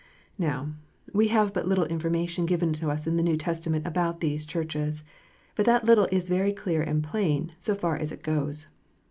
Now, we have but little information given us in the New Testament about these Churches ; but that little is very clear and plain, so far as it goes.